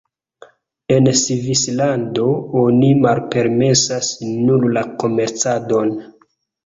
En Svislando, oni malpermesas nur la komercadon.